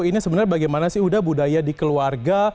ini sebenarnya bagaimana sih uda budaya di keluarga